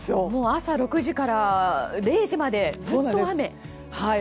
朝６時から０時までずっと雨。